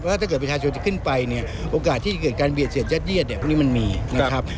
ถ้าเกิดประชาชนจะขึ้นไปเนี่ยโอกาสที่เกิดการเบียดเสียดยัดเยียดเนี่ยพวกนี้มันมีนะครับ